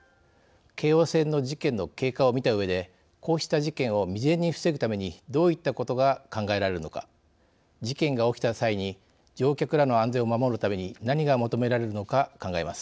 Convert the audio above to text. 京王線の事件の経過を見たうえでこうした事件を未然に防ぐためにどういったことが考えられるのか事件が起きた際に乗客らの安全を守るために何が求められるのか考えます。